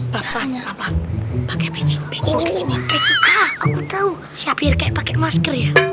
pakai pecing pecing tahu siapir kayak pakai masker ya